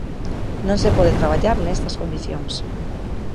Non se pode traballar nestas condicións.